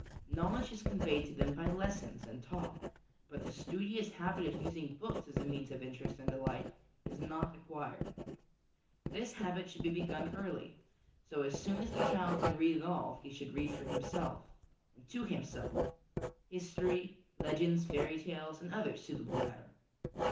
Knowledge is conveyed to them by lessons and talk, but the studious habit of using books as a means of interest and delight is not acquired. This habit should be begun early ; so soon as the child can read at all, he should read for himself, and to himself, history, legends, fairy tales, and other suitable matter.